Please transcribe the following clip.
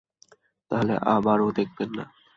তা হলে আমারও দেখবেন না।